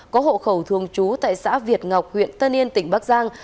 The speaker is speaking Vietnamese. có hộ khẩu thường trú tại xã việt ngọc huyện tân yên tỉnh bắc giang